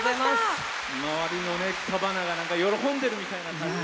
周りの草花が喜んでるみたいな感じでね。